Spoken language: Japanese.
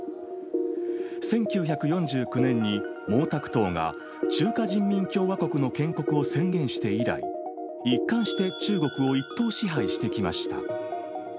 １９４９年に毛沢東が、中華人民共和国の建国を宣言して以来、一貫して中国を一党支配してきました。